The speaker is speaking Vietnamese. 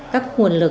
các nguồn lực